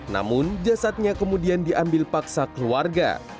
namun jasadnya kemudian diambil paksa keluarga